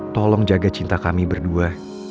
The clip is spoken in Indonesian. tolong jaga cinta kami berdua